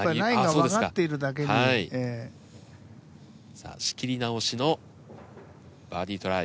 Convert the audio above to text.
さあ仕切り直しのバーディートライ。